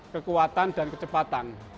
kekuatan dan kecepatan